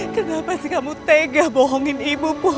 kenapa sih kamu tega bohongin ibu puh